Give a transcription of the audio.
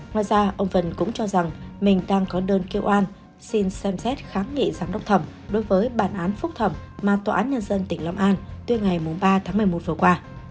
ngoài ra ông vân cũng cho rằng mình đang có đơn kêu an xin xem xét kháng nghị giám đốc thẩm đối với bản án phúc thẩm mà tòa án nhân dân tỉnh long an từ ngày ba tháng một mươi một vừa qua